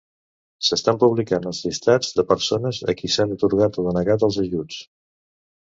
S'estan publicant els llistats de persones a qui s'ha atorgat o denegat els ajuts.